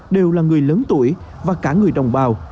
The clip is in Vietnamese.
đều là người lớn tuổi và cả người đồng bào